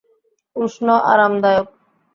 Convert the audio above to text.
উষ্ণ, আরামদায়ক।